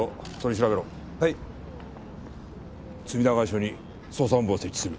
隅田川署に捜査本部を設置する。